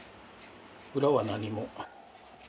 裏は何も。